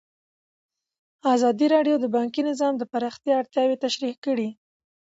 ازادي راډیو د بانکي نظام د پراختیا اړتیاوې تشریح کړي.